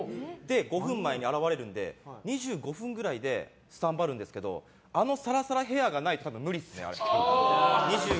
５分前に現れるので２５分くらいでスタンバるんですけどあのサラサラヘアじゃないと無理ですね。